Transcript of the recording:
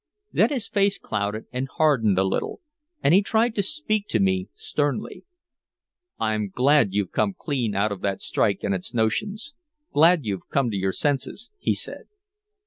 Then his face clouded and hardened a little, and he tried to speak to me sternly: "I'm glad you're clean out of that strike and its notions glad you've come to your senses," he said.